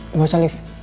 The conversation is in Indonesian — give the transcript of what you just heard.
nggak usah liv